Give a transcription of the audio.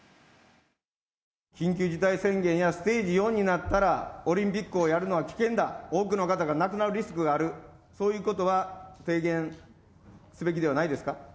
緊急事態宣言やステージ４になったら、オリンピックをやるのは危険だ、多くの方が亡くなるリスクがある、そういうことは提言すべきではないですか。